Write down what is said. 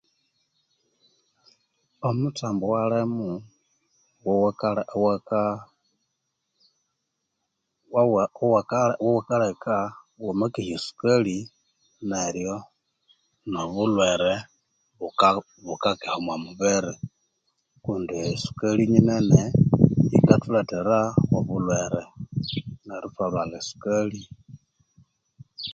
Omuthambu owalimu ghowakale waka wawa waka owakaleka wamakehya esukali neryo no bulhwere buka bukakeha omwa mubiiri kundi esukali nyinene yikathulethera obulhwere neru thwalhwalha esukali